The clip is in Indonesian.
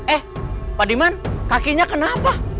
eh pak diman kakinya kenapa